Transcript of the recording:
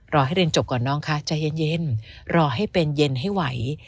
ให้เรียนจบก่อนน้องคะใจเย็นรอให้เป็นเย็นให้ไหว